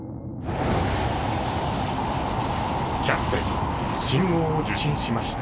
キャプテン信号を受信しました。